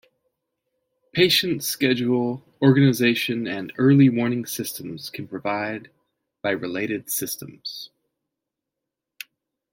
Patient schedule organization and early warning systems can provide by related systems.